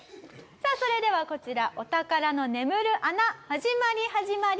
さあそれではこちら『おたからのねむる穴』始まり始まり。